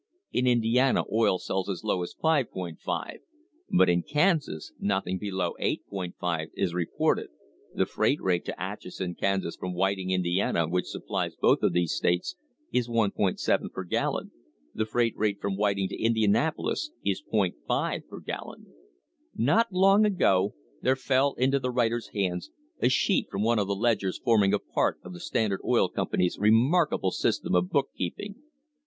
In Indiana oil sells as low as 5.50, but in Kansas nothing below 8.50 is reported (the freight rate to Atchison, Kansas, from Whiting, Indiana, which supplies both of these states, is 1.7 per gallon. The freight rate from Whiting to Indianapolis is .5 per gallon). Not long ago there fell into the writer's hands a sheet from one of the ledgers forming a part of the Standard Oil Com pany's remarkable system of bookkeeping.